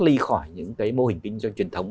ly khỏi những cái mô hình kinh doanh truyền thống